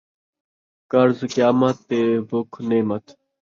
قرض قیامت تے بکھ نعامت